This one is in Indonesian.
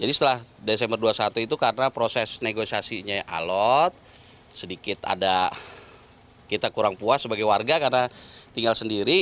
jadi setelah desember dua ribu dua puluh satu itu karena proses negosiasinya alut sedikit ada kita kurang puas sebagai warga karena tinggal sendiri